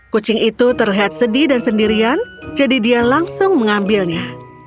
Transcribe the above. kucing itu terlihat sedih dan sendirian jadi dia langsung mengambilnya